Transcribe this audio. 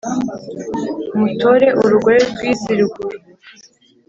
mutore urugori rw' iz' iruguru